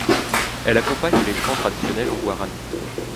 Elle accompagne les chants traditionnels en guarani.